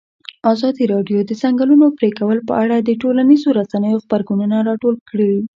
ازادي راډیو د د ځنګلونو پرېکول په اړه د ټولنیزو رسنیو غبرګونونه راټول کړي.